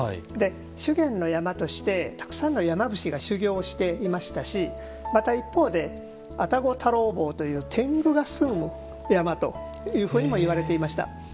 修験の山としてたくさんの山伏が修行をしていましたしまた一方で愛宕太郎坊という天狗が住む山というふうにも言われていました。